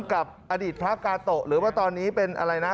กับอดีตพระกาโตะหรือว่าตอนนี้เป็นอะไรนะ